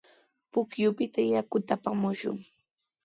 Pukyupita yakuta apamushun.